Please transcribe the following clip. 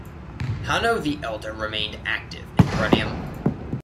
Hanno the Elder remained active in Bruttium.